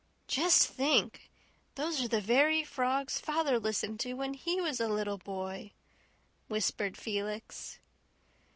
"Just think, those are the very frogs father listened to when he was a little boy," whispered Felix.